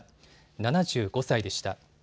７５歳でした。